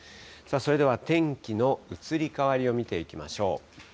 それでは天気の移り変わりを見ていきましょう。